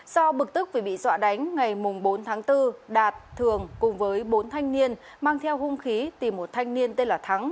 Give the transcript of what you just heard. do bực tức vì bị dọa đánh ngày bốn tháng bốn đạt thường cùng với bốn thanh niên mang theo hung khí tìm một thanh niên tên là thắng